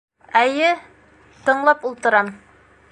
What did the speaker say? - Әйе, тыңлап ултырам.